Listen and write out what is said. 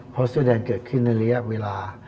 เพราะเสื้อแดงเกิดขึ้นในระยะเวลา